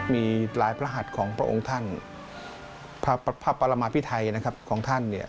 มีลายพระหัทของพระองค์ท่านพระประมาภิไทยของท่าน